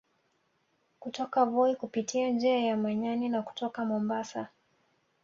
Kutoka Voi kupitia njia ya Manyani na kutoka Mombasa